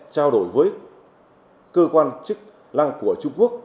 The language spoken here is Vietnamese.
trao đổi với cơ quan chức lăng của trung quốc